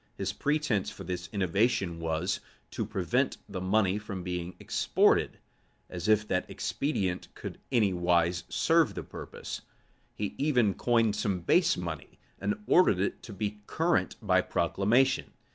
His pretence for this innovation was, to prevent the money from being exported; as if that expedient could anywise serve the purpose. He even coined some base money, and ordered it to be current by proclamation.